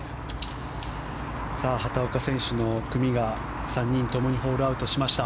畑岡選手の組が３人ともにホールアウトしました。